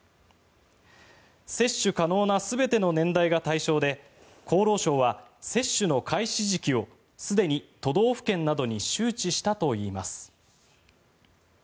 接種可能な全ての年代が対象で厚労省は接種の開始時期をすでに都道府県などに周知したといいます。